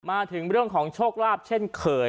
มาถึงเรื่องของโชคลาภเช่นเคย